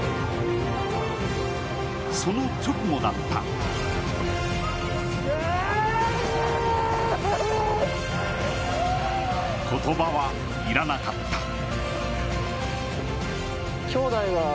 その直後だった言葉はいらなかった。